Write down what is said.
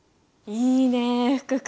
いいね福君。